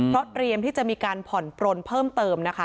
เพราะเตรียมที่จะมีการผ่อนปลนเพิ่มเติมนะคะ